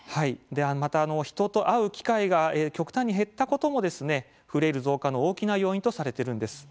また人と会う機会が極端に減ったこともフレイル増加の大きな要因とされているんです。